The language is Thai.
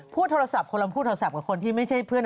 พูดโทรศัพท์คนละพูดโทรศัพท์กับคนที่ไม่ใช่เพื่อน